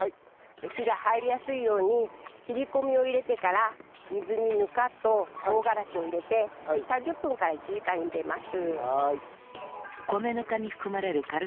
火が入りやすいように切り込みを入れてから水にぬかと唐辛子を入れて３０分から１時間ゆでます。